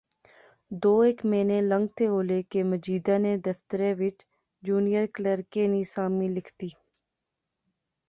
دو ہیک مہینے لنگتھے ہولے کہ مجیدے نے دفترے وچ جونیئر کلرکے نی سامی لکھتی